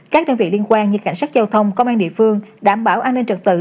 các đơn vị liên quan như cảnh sát giao thông công an địa phương đảm bảo an ninh trật tự